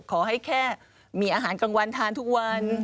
ขอให้แค่มีอาหารกลางวันทานทุกวัน